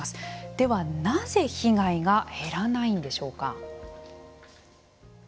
では、なぜ被害が減らないんでしょうか。